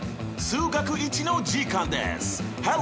数学Ⅰの時間です！